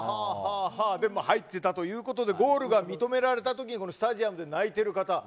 でも、入っていたということでゴールが認められたときスタジアムで泣いてる方